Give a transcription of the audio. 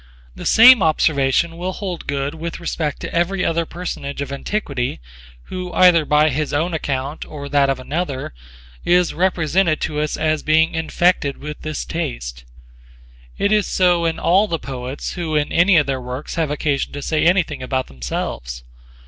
The same observation will hold good with respect to every other personage of antiquity who either by his own account or that of another is represented to us as being infected with this taste. It is so in all the poets who in any of their works have occasion to say anything about themselves.